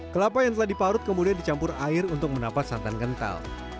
kelapa yang telah diparut kemudian dicampur air untuk mendapat santan kental